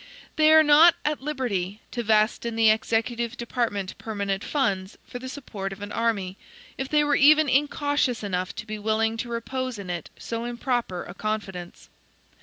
They are not AT LIBERTY to vest in the executive department permanent funds for the support of an army, if they were even incautious enough to be willing to repose in it so improper a confidence.